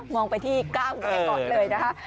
องไปที่ก้าวแรกก่อนเลยนะคะ